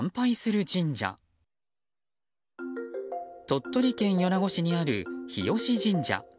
鳥取県米子市にある日吉神社。